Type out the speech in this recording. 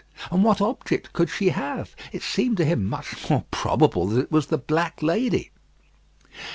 And what object could she have? It seemed to him much more probable that it was the Black Lady.